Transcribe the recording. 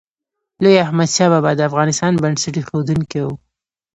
لوی احمدشاه بابا د افغانستان بنسټ ایښودونکی و.